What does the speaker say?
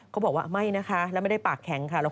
ก็บอกว่าไม่นั้นไม่ได้เปลี่ยนแบบคลุกฐาน